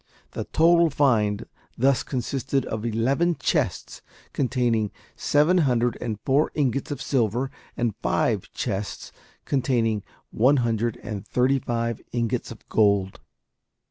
The total find thus consisted of eleven chests containing seven hundred and four ingots of silver, and five chests containing one hundred and thirty five ingots of gold.